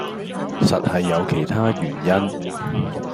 實係有其他原因